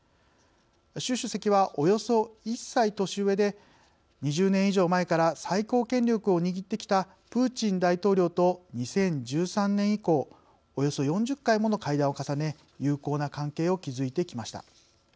習主席は、およそ１歳年上で２０年以上前から最高権力を握ってきたプーチン大統領と２０１３年以降およそ４０回もの会談を重ね友好な関係を築いてきました。